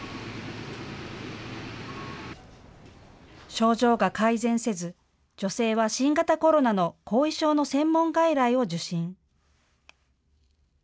症状が改善せず女性は新型コロナの後遺症の専門外来を受診。